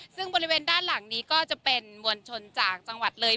ซึ่งบริเวณด้านหลังนี้ก็จะเป็นมวลชนจากจังหวัดเลย